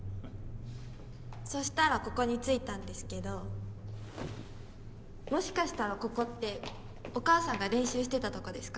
そしたらここに着いたんですけどもしかしたらここってお母さんが練習してたとこですか？